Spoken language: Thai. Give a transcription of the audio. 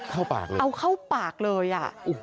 เอาเข้าปากเลยอ่ะ